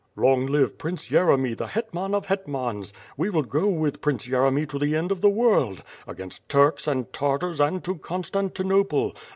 "Long live Prince Yeremy, the Hetman of Hetmans. We will go with Prince Yeremy to the end of the world. Against Turks and Tartars, and to Constantinople.